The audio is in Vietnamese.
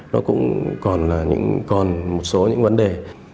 nó cũng còn là còn một số những vấn đề